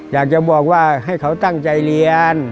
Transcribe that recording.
อยากจะบอกว่าให้เขาตั้งใจเรียน